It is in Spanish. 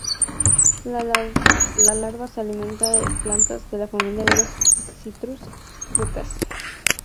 La larva se alimenta de plantas de la familia de los "Citrus", Rutaceae.